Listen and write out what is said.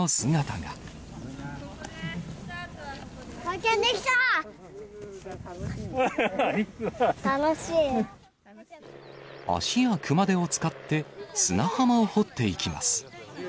かぁちゃん、足や熊手を使って、砂浜を掘っていきます。